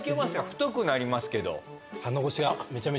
太くなりますけど鼻ごし？